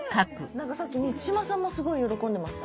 何かさっき満島さんもすごい喜んでました。